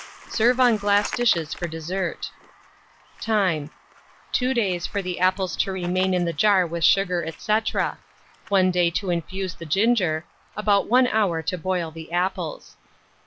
Serve on glass dishes for dessert. Time. 2 days for the apples to remain in the jar with sugar, &c. 1 day to infuse the ginger; about 1 hour to boil the apples.